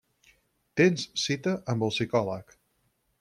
Tens cita amb el psicòleg.